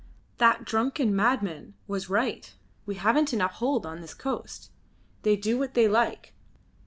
That drunken madman was right; we haven't enough hold on this coast. They do what they like.